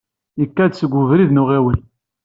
Yekka-d seg ubrid n uɣiwel.